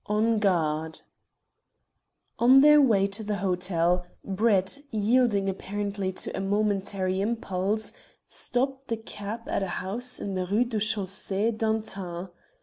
ON GUARD On their way to the hotel, Brett, yielding apparently to a momentary impulse, stopped the cab at a house in the Rue du Chaussée d'Antin.